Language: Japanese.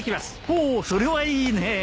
ほうそれはいいね。